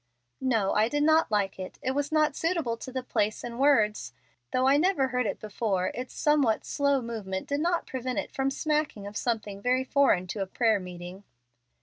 "No, I did not like it. It was not suitable to the place and words. Though I never heard it before, its somewhat slow movement did not prevent it from smacking of something very foreign to a prayer meeting."